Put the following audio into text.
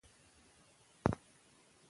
پښتو له پردۍ ژبې اسانه ده.